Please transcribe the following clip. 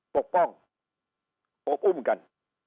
ปกป้องอกอุ้มกัน